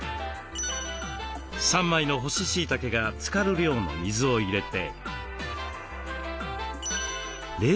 ３枚の干ししいたけがつかる量の水を入れて。